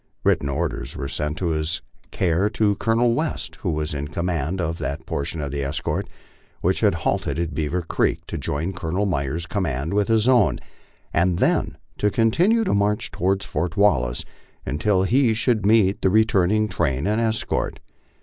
Written orders were sent in his care to Colonel West, who was in command of that portion of the escort which had halted at Beaver Creek, to join Colonel Myers's command with his own, and then to continue the march toward Fort Wallace until he should meet the re turning train and escort.